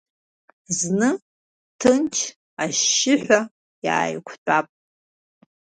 Зны, ҭынч, ашьшьыҳәа иааиқәтәап…